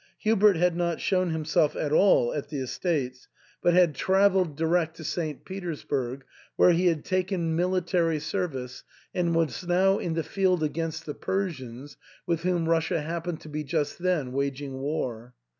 Hubert had not shown himself at all at the estates, but had travelled 3IO THE ENTAIL. direct to St Petersburg, where he had taken military service and was now in the field against the Persians, with whom Russia happened to be just then waging war.